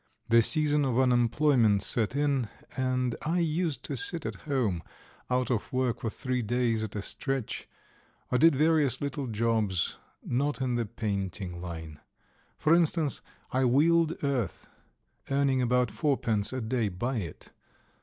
The season of unemployment set in, and I used to sit at home out of work for three days at a stretch, or did various little jobs, not in the painting line. For instance, I wheeled earth, earning about fourpence a day by it.